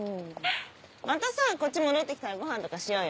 またさこっち戻ってきたらごはんとかしようよ。